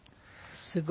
すごい。